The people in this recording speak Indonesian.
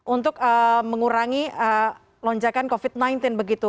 untuk mengurangi lonjakan covid sembilan belas begitu